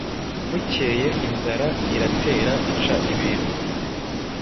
Bukeye inzara iratera ica ibintu,